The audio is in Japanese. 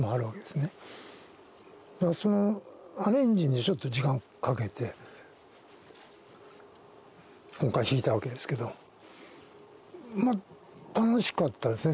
そのアレンジにちょっと時間をかけて今回弾いたわけですけどまっ楽しかったですね。